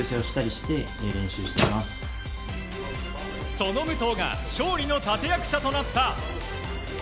その武藤が勝利の立役者となった。